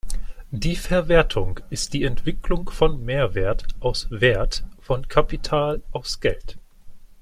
Die Verwertung ist die Entwicklung von Mehrwert aus Wert, von Kapital aus Geld.